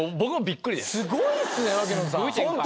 これすごいっすね槙野さん